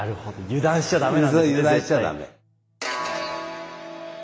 油断しちゃダメ。